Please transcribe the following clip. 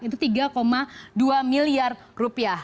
itu tiga dua miliar rupiah